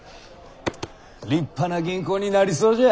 立派な銀行になりそうじゃ！